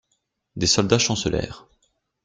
Des soldats chancelèrent.